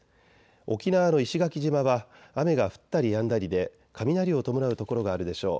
沖縄の石垣島は雨が降ったりやんだりで雷を伴う所があるでしょう。